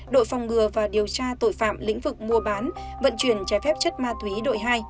điều tra tội phạm lĩnh vực mua bán vận chuyển trái phép chất ma túy đội hai